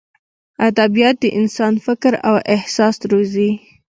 ادبیات د انسان فکر او احساس روزي.